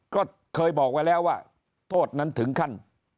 ก็เคยบอกไว้แล้วว่าโทษนั้นถึงขั้น